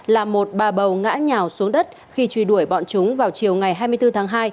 là một bà bầu ngã nhào xuống đất khi truy đuổi bọn chúng vào chiều ngày hai mươi bốn tháng hai